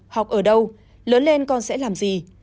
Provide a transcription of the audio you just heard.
học ở đâu lớn lên con sẽ làm gì